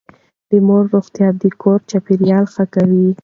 د مور روغتيا د کور چاپېريال ښه کوي.